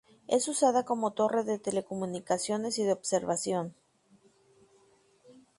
Es usada como torre de telecomunicaciones y de observación.